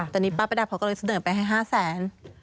ตอนนี้ป้าประดับเขาก็เลยเสนอไปให้๕แสน